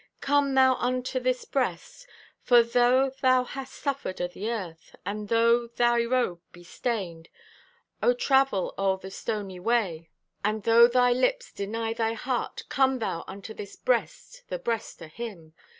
Come thou unto this breast. For though thou hast suffered o' the Earth, And though thy robe be stained O' travel o'er the stoney way, And though thy lips deny thy heart, Come thou unto this breast, The breast o' Him.